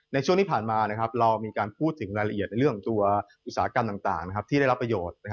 ในช่วงที่ผ่านมาเรามีการพูดถึงรายละเอียดในเรื่องของตัวอุตสาหกรรมต่างที่ได้รับประโยชน์